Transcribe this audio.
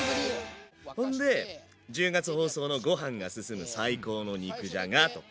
ほんで１０月放送のご飯が進む最高の肉じゃがとか。